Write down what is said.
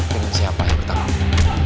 dengan siapa yang bertanggung